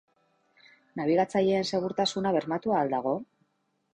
Nabigatzaileen segurtasuna bermatuta al dago?